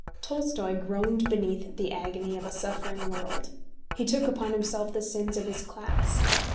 Tolstoy groaned beneath the agony of a suffering world; he took upon himself the sins of his class.